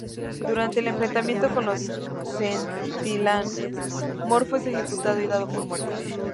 Durante el enfrentamiento con los Centinelas, Morfo es ejecutado y dado por muerto.